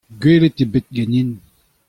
Gwelet eo bet ganin.